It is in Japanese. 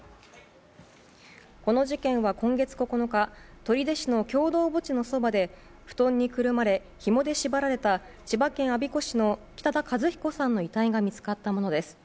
この事件は、今月９日取手市の共同墓地のそばで布団にくるまれ、ひもで縛られた千葉県我孫子市の北田和彦さんの遺体が見つかったものです。